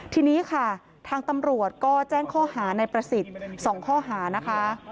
ทีนี้ค่ะทางตำรวจก็แจ้งข้อหาในประสิทธิ์๒ข้อหานะคะ